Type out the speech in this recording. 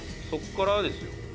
そこからですよ。